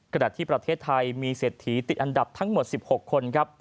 ขณะที่ประเทศไทยมีเศรษฐีติดอันดับทั้งหมด๑๖คนครับ